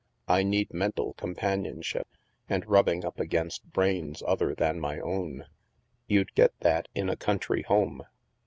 I need mental companionship, and rubbing up against brains other than my own." " You'd get that in a country home.